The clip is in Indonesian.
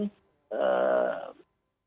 banyak provinsi yang berulang tahun